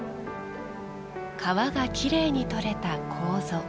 皮がきれいに取れた楮。